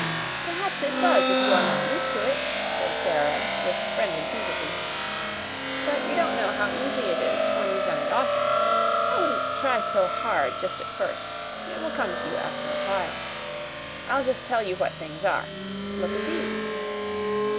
"Perhaps it does if you are not used to it," said Sara, with friendly sympathy; "but you don't know how easy it is when you've done it often. I wouldn't try so hard just at first. It will come to you after a while. I'll just tell you what things are. Look at these."